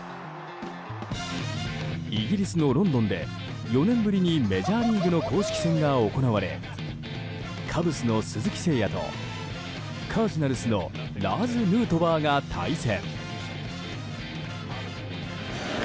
イギリスのロンドンで４年ぶりにメジャーリーグの公式戦が行われカブスの鈴木誠也とカージナルスのラーズ・ヌートバーが対戦。